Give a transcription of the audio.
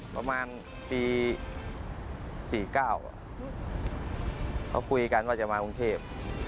ประมาณปี๔๙เขาคุยกันว่าจะมากรุงเทพ